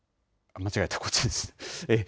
間違えた、こっちです。